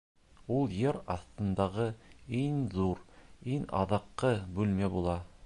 Ул ер аҫтындағы иң ҙур, иң аҙаҡҡы бүлмә була.